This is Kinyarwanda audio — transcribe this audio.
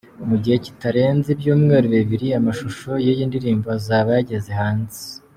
Mu gihe kitarenze ibyumweru bibiri, amashusho y’iyi ndirimbo azaba yageze hanze.